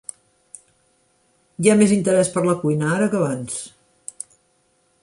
Hi ha més interès per la cuina ara que abans.